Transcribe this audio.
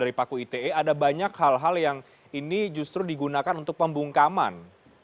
dari paku ite ada banyak hal hal yang ini justru digunakan untuk pembungkaman